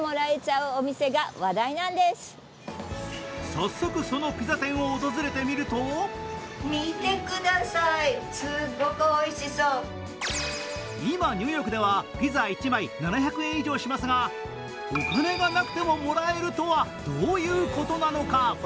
早速、そのピザ店を訪れてみると今、ニューヨークではピザ１枚７００円以上しますが、お金がなくてももらえるとはどういうことなのか。